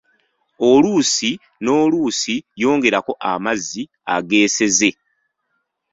Oluusi n'oluusi yongerako amazzi ageeseze.